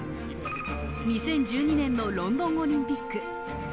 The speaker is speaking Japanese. ２０１２年のロンドンオリンピック。